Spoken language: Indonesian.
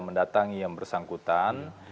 mendatangi yang bersangkutan